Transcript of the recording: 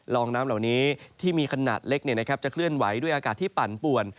ลองน้ำเหล่านี้ที่มีขนาดเล็กจะเคลื่อนไหวด้วยอากาศที่ปั่นป่วน